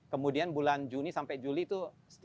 kemudian bulan juni sampai juli itu